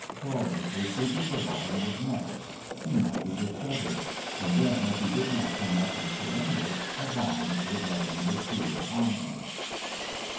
Trawlers were sweeping the bottom with nets. He might be discovered; and then if he did not come up and surrender, a bomb would let in the sea upon him.